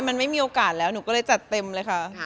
มันไม่มีโอกาสแล้วหนูก็เลยจัดเต็มเลยค่ะ